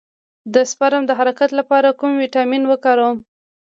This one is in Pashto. د سپرم د حرکت لپاره کوم ویټامین وکاروم؟